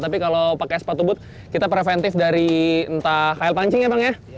tapi kalau pakai sepatu boot kita preventif dari entah kayak pancing ya bang ya